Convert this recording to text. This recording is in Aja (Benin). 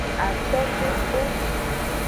Atokliko.